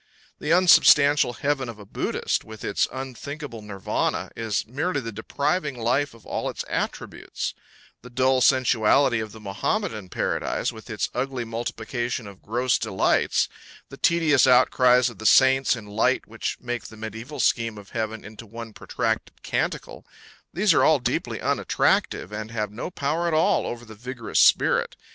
The unsubstantial heaven of a Buddhist, with its unthinkable Nirvana, is merely the depriving life of all its attributes; the dull sensuality of the Mohammedan paradise, with its ugly multiplication of gross delights; the tedious outcries of the saints in light which make the medieval scheme of heaven into one protracted canticle these are all deeply unattractive, and have no power at all over the vigorous spirit.